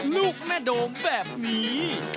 ลูกแม่โดมแบบนี้